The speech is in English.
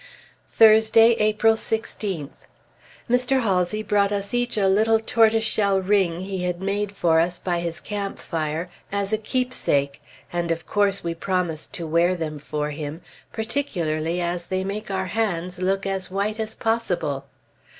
Thursday, April 16th. Mr. Halsey brought us each a little tortoise shell ring he had made for us by his camp fire, as a keepsake, and of course we promised to wear them for him, particularly as they make our hands look as white as possible.